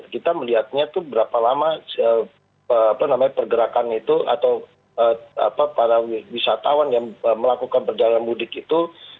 kita melihatnya itu berapa lama pergerakan itu atau para wisatawan yang melakukan perjalanan mudik itu